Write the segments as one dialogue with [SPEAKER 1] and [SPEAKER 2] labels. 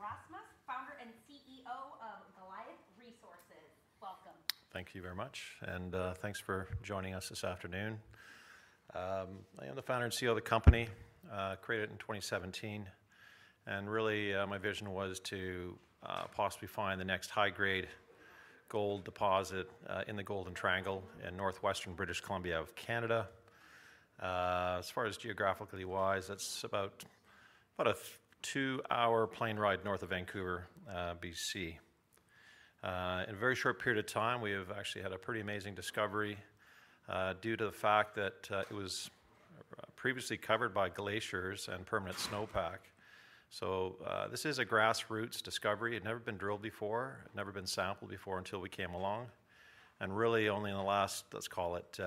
[SPEAKER 1] Roger Rosmus, founder and CEO of Goliath Resources. Welcome.
[SPEAKER 2] Thank you very much, and thanks for joining us this afternoon. I am the founder and CEO of the company, created in 2017. Really, my vision was to possibly find the next high-grade gold deposit in the Golden Triangle in northwestern British Columbia of Canada. As far as geographically wise, that's about a two-hour plane ride north of Vancouver, BC. In a very short period of time, we have actually had a pretty amazing discovery due to the fact that it was previously covered by glaciers and permanent snowpack. This is a grassroots discovery. It had never been drilled before. It had never been sampled before until we came along. Really, only in the last, let's call it,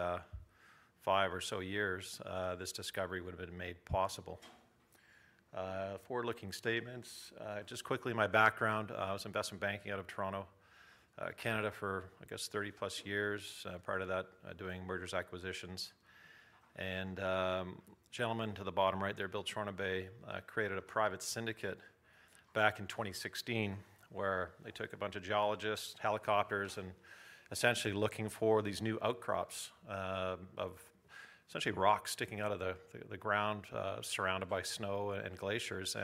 [SPEAKER 2] five or so years, this discovery would have been made possible. Forward-looking statements. Just quickly, my background: I was investment banking out of Toronto, Canada, for, I guess, 30-plus years. Prior to that, doing mergers and acquisitions. The gentleman to the bottom right there, Bill Chornobay, created a private syndicate back in 2016 where they took a bunch of geologists, helicopters, and essentially looking for these new outcrops of essentially rock sticking out of the ground, surrounded by snow and glaciers.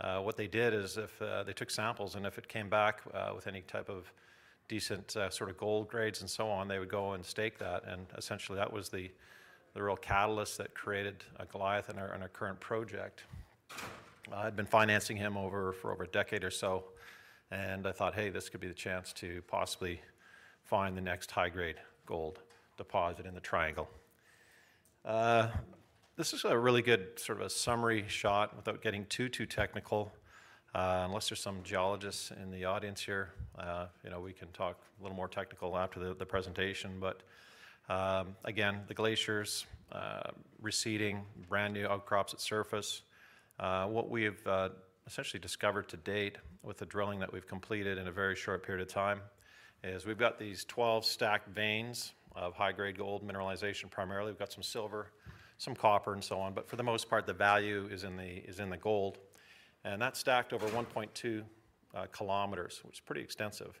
[SPEAKER 2] What they did is if they took samples, and if it came back with any type of decent sort of gold grades and so on, they would go and stake that. Essentially, that was the real catalyst that created Goliath and our current project. I had been financing him for over a decade or so, and I thought, hey, this could be the chance to possibly find the next high-grade gold deposit in the Triangle. This is a really good sort of summary shot without getting too, too technical. Unless there's some geologists in the audience here, we can talk a little more technical after the presentation. Again, the glaciers receding, brand new outcrops at surface. What we have essentially discovered to date with the drilling that we've completed in a very short period of time is we've got these 12 stacked veins of high-grade gold mineralization primarily. We've got some silver, some copper, and so on. For the most part, the value is in the gold. That is stacked over 1.2 km, which is pretty extensive.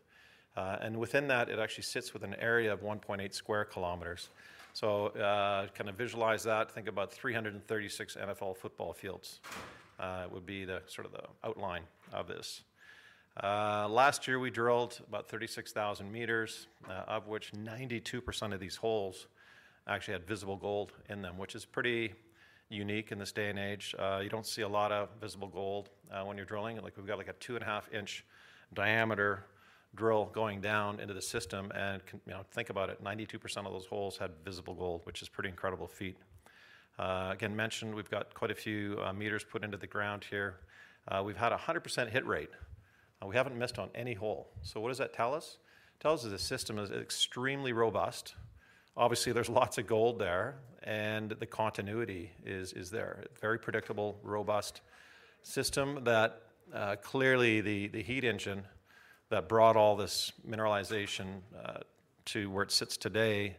[SPEAKER 2] Within that, it actually sits with an area of 1.8 sq km. Kind of visualize that. Think about 336 NFL football fields would be the sort of the outline of this. Last year, we drilled about 36,000 meters, of which 92% of these holes actually had visible gold in them, which is pretty unique in this day and age. You don't see a lot of visible gold when you're drilling. We've got like a 2.5-inch diameter drill going down into the system. Think about it, 92% of those holes had visible gold, which is a pretty incredible feat. Again, mentioned we've got quite a few meters put into the ground here. We've had a 100% hit rate. We haven't missed on any hole. What does that tell us? It tells us that the system is extremely robust. Obviously, there's lots of gold there, and the continuity is there. Very predictable, robust system that clearly the heat engine that brought all this mineralization to where it sits today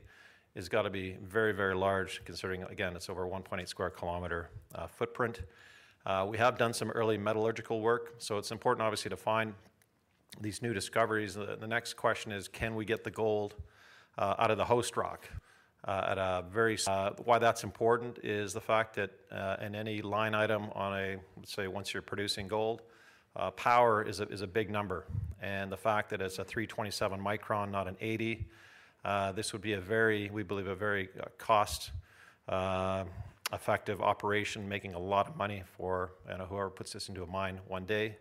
[SPEAKER 2] has got to be very, very large, considering, again, it's over a 1.8 sq km footprint. We have done some early metallurgical work, so it's important, obviously, to find these new discoveries. The next question is, can we get the gold out of the host rock at a very... Why that's important is the fact that in any line item on a, say, once you're producing gold, power is a big number. The fact that it's a 327 micron, not an 80, this would be a very, we believe, a very cost-effective operation, making a lot of money for whoever puts this into a mine one day.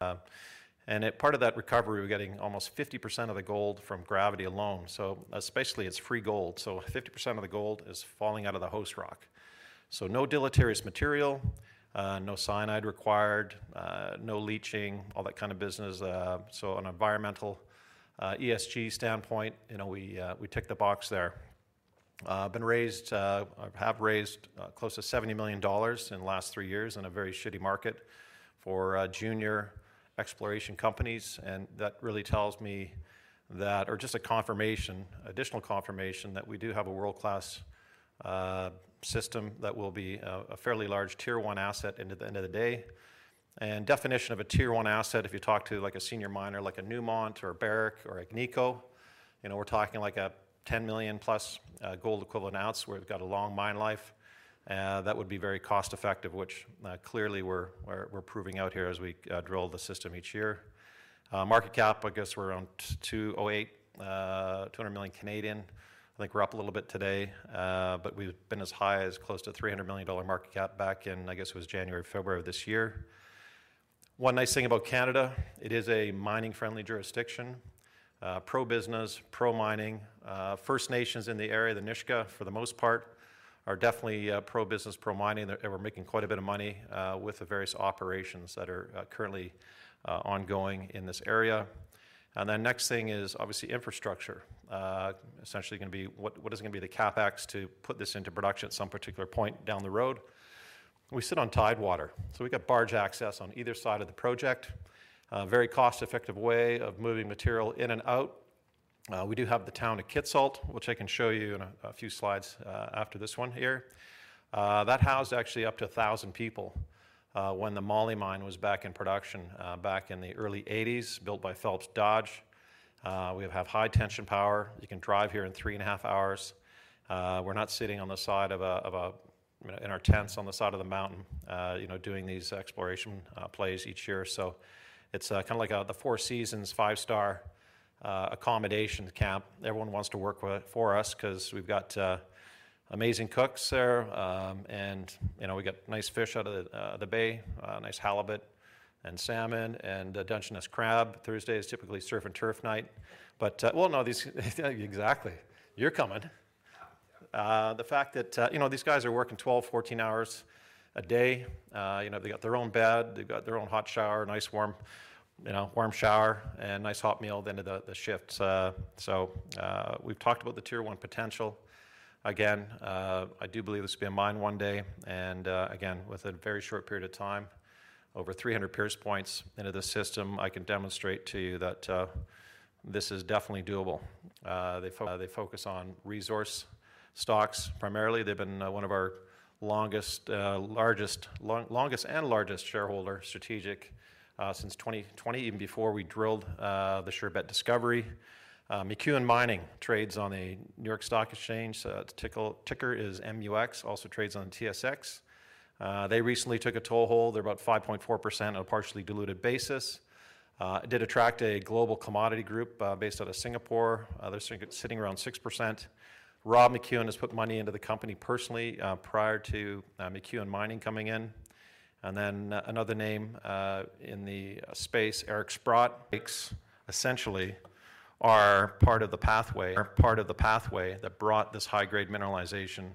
[SPEAKER 2] Part of that recovery, we're getting almost 50% of the gold from gravity alone. Basically, it's free gold. Fifty percent of the gold is falling out of the host rock. No deleterious material, no cyanide required, no leaching, all that kind of business. On an environmental ESG standpoint, we tick the box there. I've been raised, have raised close to 70 million dollars in the last three years in a very shitty market for junior exploration companies. That really tells me that, or just a confirmation, additional confirmation that we do have a world-class system that will be a fairly large tier-one asset at the end of the day. Definition of a tier-one asset, if you talk to like a senior miner like a Newmont or a Barrick or an Agnico, we're talking like a 10 million-plus gold equivalent ounce where we've got a long mine life. That would be very cost-effective, which clearly we're proving out here as we drill the system each year. Market cap, I guess, we're around 208 million, 200 million. I think we're up a little bit today, but we've been as high as close to 300 million dollar market cap back in, I guess, it was January, February of this year. One nice thing about Canada, it is a mining-friendly jurisdiction. Pro-business, pro-mining. First Nations in the area, the Nisga'a, for the most part, are definitely pro-business, pro-mining. They were making quite a bit of money with the various operations that are currently ongoing in this area. Next thing is, obviously, infrastructure. Essentially, going to be what is going to be the CapEx to put this into production at some particular point down the road? We sit on tidewater. We've got barge access on either side of the project. Very cost-effective way of moving material in and out. We do have the town of Kitsault, which I can show you in a few slides after this one here. That housed actually up to 1,000 people when the moly mine was back in production back in the early 1980s, built by Phelps Dodge. We have high-tension power. You can drive here in three and a half hours. We're not sitting on the side of a, in our tents on the side of the mountain doing these exploration plays each year. It is kind of like the Four Seasons five-star accommodation camp. Everyone wants to work for us because we've got amazing cooks there. And we got nice fish out of the bay, nice halibut and salmon and Dungeness crab. Thursday is typically surf and turf night. No, exactly. You're coming. The fact that these guys are working 12, 14 hours a day. They've got their own bed. They've got their own hot shower, nice warm shower, and nice hot meal at the end of the shift. We have talked about the tier-one potential. I do believe this will be a mine one day. Within a very short period of time, over 300 pierce points into the system, I can demonstrate to you that this is definitely doable. They focus on resource stocks primarily. They've been one of our longest and largest shareholder strategic since 2020, even before we drilled the Surebet discovery. McEwen Mining trades on the New York Stock Exchange. Ticker is MUX. Also trades on TSX. They recently took a toehold. They're about 5.4% on a partially diluted basis. It did attract a global commodity group based out of Singapore. They're sitting around 6%. Rob McEwen has put money into the company personally prior to McEwen Mining coming in. Another name in the space, Eric Sprott. Dykes essentially are part of the pathway. Part of the pathway that brought this high-grade mineralization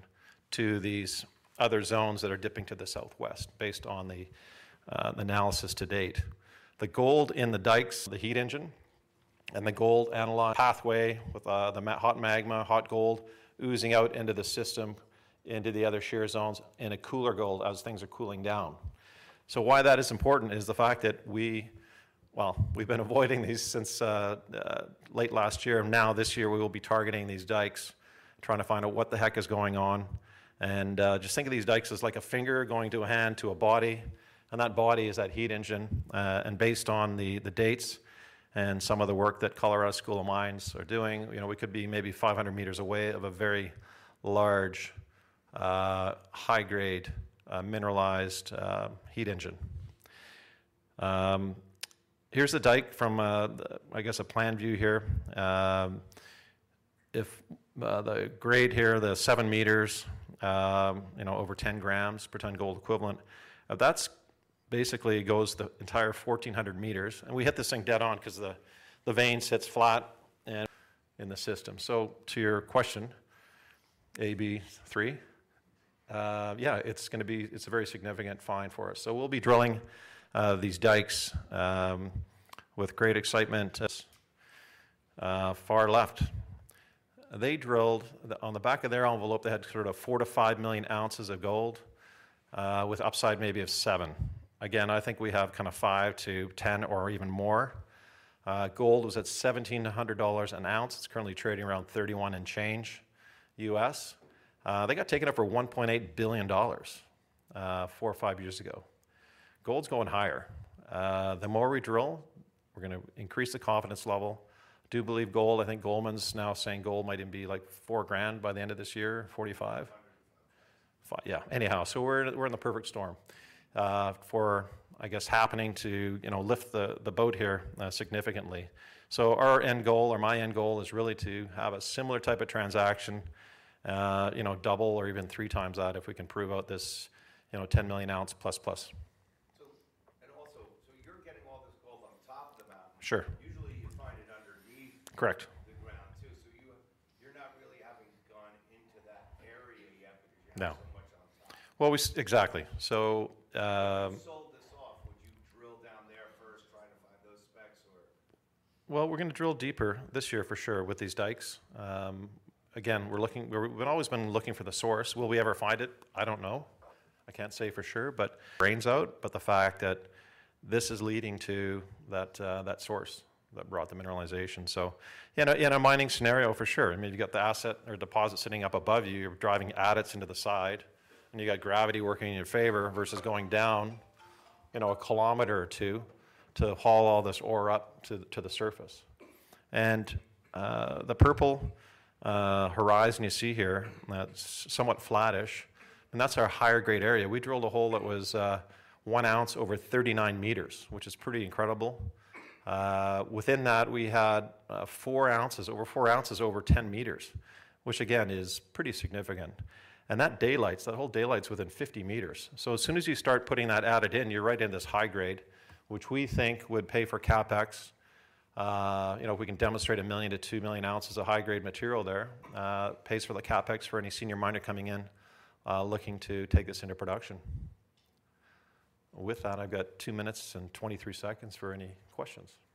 [SPEAKER 2] to these other zones that are dipping to the southwest based on the analysis to date. The gold in the dykes. The heat engine and the gold. Pathway with the hot magma, hot gold oozing out into the system, into the other shear zones in a cooler gold as things are cooling down. That is important because we, you know, we've been avoiding these since late last year. This year, we will be targeting these dykes, trying to find out what the heck is going on. Just think of these dykes as like a finger going to a hand to a body. That body is that heat engine. Based on the dates and some of the work that Colorado School of Mines are doing, we could be maybe 500 meters away of a very large high-grade mineralized heat engine. Here is the dyke from, I guess, a plan view here. If the grade here, the 7 meters, over 10 grams per ton gold equivalent, that basically goes the entire 1,400 meters. We hit this thing dead on because the vein sits flat and in the system. To your question, AB3, yeah, it is going to be, it is a very significant find for us. We will be drilling these dykes with great excitement. Far left. They drilled on the back of their envelope, they had sort of 4 million-5 million ounces of gold with upside maybe of 7. Again, I think we have kind of 5-10 or even more. Gold was at $1,700 an ounce. It's currently trading around 31 and change U.S., They got taken up for $1.8 billion four or five years ago. Gold's going higher. The more we drill, we're going to increase the confidence level. Do believe gold, I think Goldman's now saying gold might even be like $4,000 by the end of this year, 45. Yeah. Anyhow, we're in the perfect storm for, I guess, happening to lift the boat here significantly. Our end goal, or my end goal, is really to have a similar type of transaction, double or even three times that if we can prove out this 10 million ounce plus-plus.
[SPEAKER 3] You're getting all this gold on top of the mountain.
[SPEAKER 2] Sure.
[SPEAKER 3] Usually, you find it underneath the ground too. You are not really having gone into that area yet because you have so much on top.
[SPEAKER 2] No. Exactly.
[SPEAKER 3] If you sold this off, would you drill down there first trying to find those specs or?
[SPEAKER 2] We're going to drill deeper this year for sure with these dykes. Again, we've always been looking for the source. Will we ever find it? I don't know. I can't say for sure. The fact that this is leading to that source that brought the mineralization. In a mining scenario, for sure, I mean, you've got the asset or deposit sitting up above you. You're driving adits into the side. You've got gravity working in your favor versus going down a kilometer or two to haul all this ore up to the surface. The purple horizon you see here, that's somewhat flattish. That's our higher grade area. We drilled a hole that was one ounce over 39 meters, which is pretty incredible. Within that, we had four ounces, over four ounces over 10 meters, which again is pretty significant. That daylights, that whole daylights within 50 meters. As soon as you start putting that adit in, you're right in this high grade, which we think would pay for CapEx. If we can demonstrate 1 million-2 million ounces of high-grade material there, it pays for the CapEx for any senior miner coming in looking to take this into production. With that, I've got two minutes and 23 seconds for any questions.
[SPEAKER 3] Now,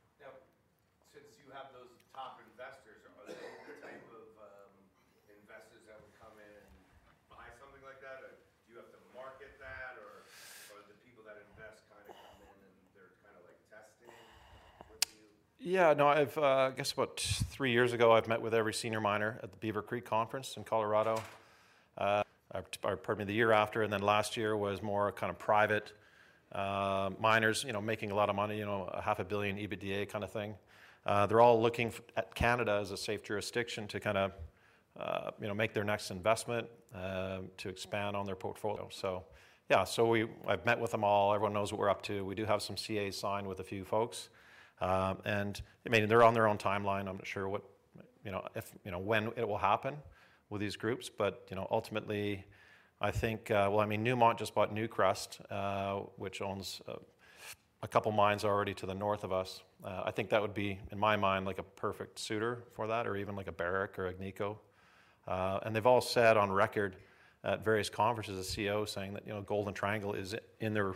[SPEAKER 3] since you have those top investors, are there any type of investors that would come in and buy something like that? Or do you have to market that? Or are the people that invest kind of come in and they're kind of like testing with you?
[SPEAKER 2] Yeah. No, I've, guess what, three years ago, I've met with every senior miner at the Beaver Creek Conference in Colorado. Pardon me, the year after. Last year was more kind of private miners making a lot of money, $500,000,000 EBITDA kind of thing. They're all looking at Canada as a safe jurisdiction to kind of make their next investment to expand on their portfolio. Yeah, I've met with them all. Everyone knows what we're up to. We do have some CA signed with a few folks. I mean, they're on their own timeline. I'm not sure when it will happen with these groups. Ultimately, I think, I mean, Newmont just bought Newcrest, which owns a couple of mines already to the north of us. I think that would be, in my mind, like a perfect suitor for that or even like a Barrick or Agnico. They've all said on record at various conferences as CEO saying that Golden Triangle is in their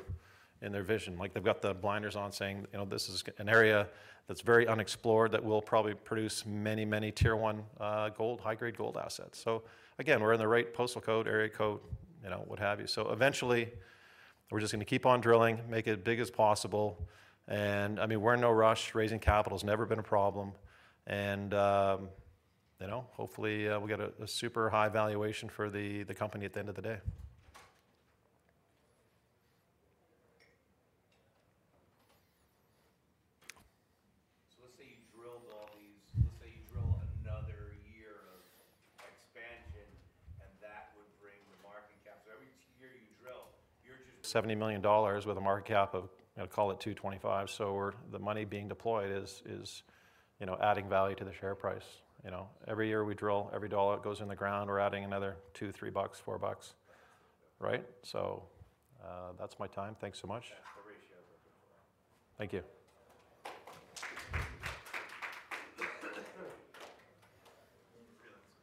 [SPEAKER 2] vision. They've got the blinders on saying this is an area that's very unexplored that will probably produce many, many tier-one gold, high-grade gold assets. We're in the right postal code, area code, what have you. Eventually, we're just going to keep on drilling, make it as big as possible. I mean, we're in no rush. Raising capital has never been a problem. Hopefully, we'll get a super high valuation for the company at the end of the day.
[SPEAKER 3] Let's say you drilled all these, let's say you drill another year of expansion and that would bring the market cap. Every year you drill, you're just.
[SPEAKER 2] $70 million with a market cap of, call it, $225 million. The money being deployed is adding value to the share price. Every year we drill, every dollar that goes in the ground, we're adding another $2, $3, $4. Right? That's my time. Thanks so much.
[SPEAKER 3] That's the ratio for the four.
[SPEAKER 2] Thank you.
[SPEAKER 3] Thank you.